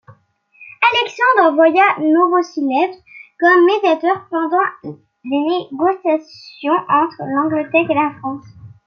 Alexandre envoya Novossiltsev comme médiateur, pendant les négociations entre l'Angleterre et la France.